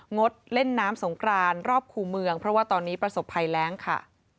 ดเล่นน้ำสงกรานรอบคู่เมืองเพราะว่าตอนนี้ประสบภัยแรงค่ะ